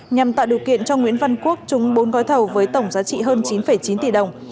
nhằm tạo điều kiện cho nguyễn văn quốc trúng bốn gói thầu với tổng giá trị hơn chín chín tỷ đồng